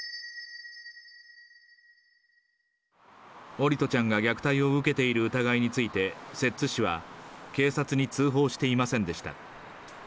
桜利斗ちゃんが虐待を受けている疑いについて、摂津市は、警察に通報していませんでした。